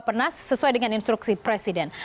pernah sesuai dengan instruksi presiden